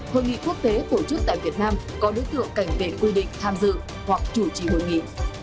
hội nghị quốc tế tổ chức tại việt nam có đối tượng cảnh vệ quy định tham dự hoặc chủ trì hội nghị